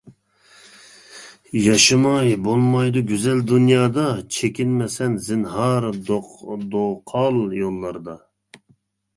ياشىماي بولمايدۇ گۈزەل دۇنيادا، چېكىنمە سەن زىنھار دوقال يوللاردا.